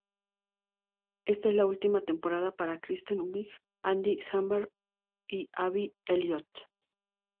Esta es la última temporada para Kristen Wiig, Andy Samberg y Abby Elliott.